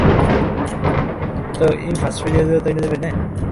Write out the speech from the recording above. সে আজ গোরার বিরুদ্ধে বিদ্রোহ করিয়া তাহার নিয়ম ভঙ্গ করিয়াছে।